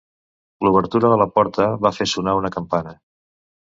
L'obertura de la porta va fer sonar una campana.